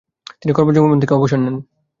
তিনি কর্মজীবন থেকে অবসর নেন।